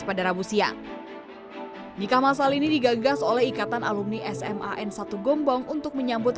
pada rabu siang nikah masal ini digagas oleh ikatan alumni sman satu gombong untuk menyambut